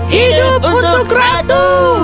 hidup untuk ratu